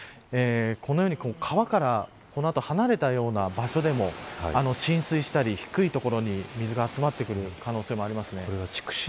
このように川からこの後、離れたような場所でも浸水したり低い所に水が集まってくる可能性もあります。